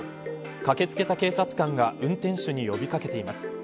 駆けつけた警察官が運転手に呼び掛けています。